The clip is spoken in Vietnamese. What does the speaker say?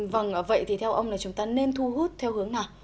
vâng vậy thì theo ông là chúng ta nên thu hút theo hướng nào